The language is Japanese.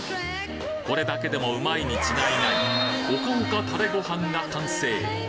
これだけでもうまいに違いないホカホカタレご飯が完成